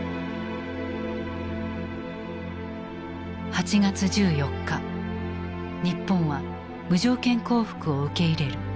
８月１４日日本は無条件降伏を受け入れる。